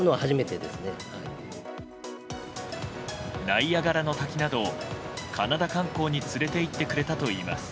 ナイアガラの滝などカナダ観光に連れて行ってくれたといいます。